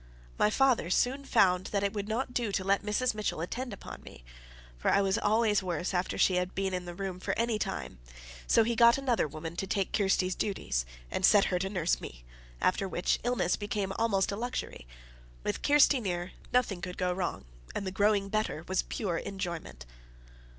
My father soon found that it would not do to let Mrs. Mitchell attend upon me, for I was always worse after she had been in the room for any time; so he got another woman to take Kirsty's duties, and set her to nurse me, after which illness became almost a luxury. With Kirsty near, nothing could go wrong. And the growing better was pure enjoyment.